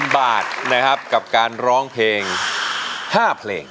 ๐บาทนะครับกับการร้องเพลง๕เพลง